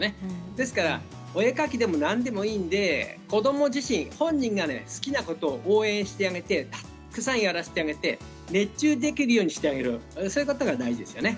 ですからお絵描きでも何でもいいので子ども自身、本人が好きなことを応援してあげてたくさんやらせてあげて熱中できるようにしてあげるそういうことが大事ですね。